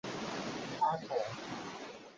阿婆